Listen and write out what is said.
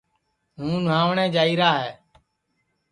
ہُوں نُھاوٹؔیں جائیرا ہے